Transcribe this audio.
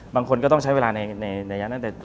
บางคนก็ต้องใช้เวลาในระยะนั้น